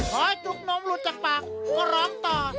พอจุกนมหลุดจากปากก็ร้องต่อ